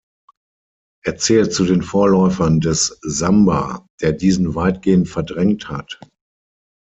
Er zählt zu den Vorläufern des Samba, der diesen weitgehend verdrängt hat.